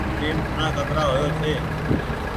ٽيم سوڻا ڪترا هويو ڇي